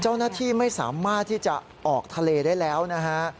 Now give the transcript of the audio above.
เจ้าหน้าที่ไม่สามารถที่จะออกทะเลได้แล้วนะฮะ